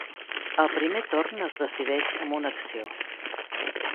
El primer torn es decideix amb una acció.